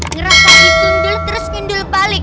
ngeras lagi nyundul terus nyundul balik